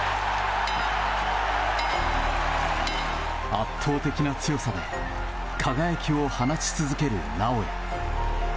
圧倒的な強さで輝きを放ち続ける尚弥。